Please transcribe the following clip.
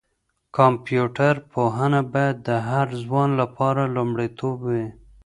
کمپيوټر پوهنه باید د هر ځوان لپاره لومړیتوب وي.